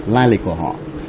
lai lịch của họ